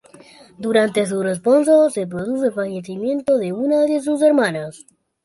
Durante su responso, se produjo el fallecimiento de una de sus hermanas.